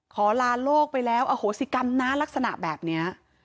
ขอลาโลกไปแล้วอโหสิกรรมนะลักษณะแบบนี้